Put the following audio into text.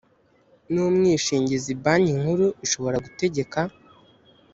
n umwishingizi banki nkuru ishobora gutegeka